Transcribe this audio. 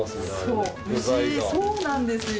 うちそうなんですよ。